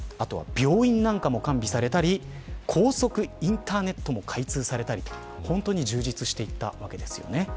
病院なんかも完備されたり高速インターネットも開通されたり本当に充実していったわけです。